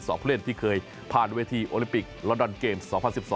ผู้เล่นที่เคยผ่านเวทีโอลิปิกลอนดอนเกม๒๐๑๒